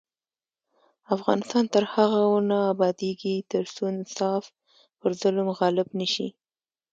افغانستان تر هغو نه ابادیږي، ترڅو انصاف پر ظلم غالب نشي.